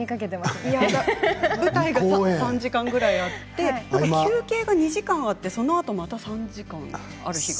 １つの舞台が３時間で休憩が２時間あってそのあとまた３時間。